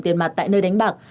tiền mặt tại nơi đánh bạc